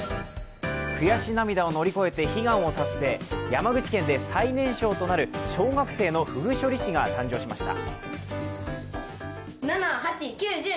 悔し涙を乗り越えて悲願達成、山口県で最年少となる小学生のふぐ処理師が誕生しました。